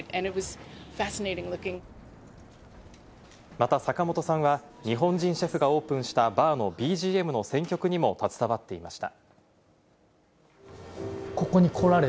また坂本さんは、日本人シェフがオープンしたバーのＢＧＭの選曲にも携わっていました。